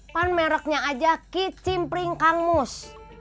pan mereknya aja kicimpring kang emus